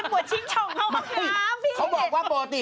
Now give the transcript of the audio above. ไม่ใช่เขาอาจจะหมวดชิ้นช่องเข้าบ้านน้ำ